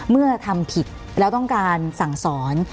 เมื่อทำผิดแล้วต้องการสั่งสอน